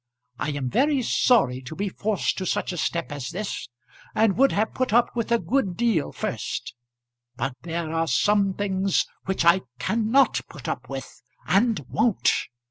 I am very sorry to be forced to such a step as this, and would have put up with a good deal first; but there are some things which I cannot put up with, and won't.